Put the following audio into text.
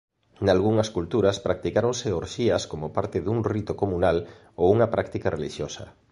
Nalgunhas culturas practicáronse orxías como parte dun rito comunal ou unha práctica relixiosa.